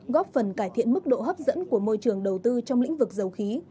góp phần cải thiện mức độ hấp dẫn của môi trường đầu tư trong lĩnh vực dầu khí